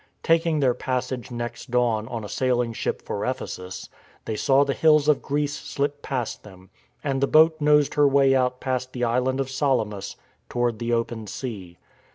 Taking their passage next dawn on a sailing ship for Ephesus, they saw the hills of Greece slip past them, and the boat nosed her way out past the island of Salamis toward the open sea.